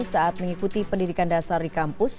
saat mengikuti pendidikan dasar di kampus